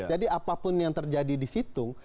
jadi apapun yang terjadi di situng